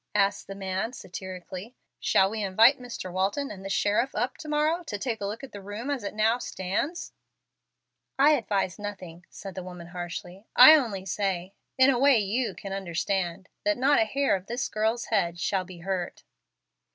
asked the man, satirically. "Shall we invite Mr. Walton and the sheriff up to morrow to take a look at the room as it now stands?" "I advise nothing," said the woman, harshly. "I only say, in a way you understand, not a hair of this girl's head shall be hurt."